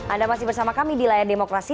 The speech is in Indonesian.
anda masih bersama kami di layar demokrasi